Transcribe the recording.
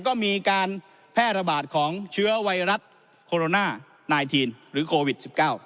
ก็มีการแพร่ระบาดของเชื้อไวรัสโคโรนาไนทีนหรือโควิด๑๙